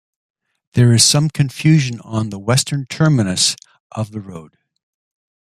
There is some confusion on the western terminus of the road.